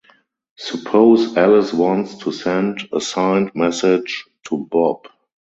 Suppose Alice wants to send a signed message to Bob.